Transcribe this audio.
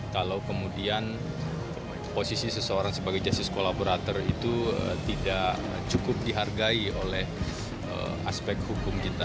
kalau kemudian posisi seseorang sebagai justice collaborator itu tidak cukup dihargai oleh aspek hukum kita